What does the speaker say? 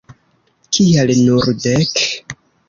Kial nur dek?